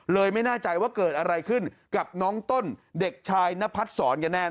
ไม่แน่ใจว่าเกิดอะไรขึ้นกับน้องต้นเด็กชายนพัดศรกันแน่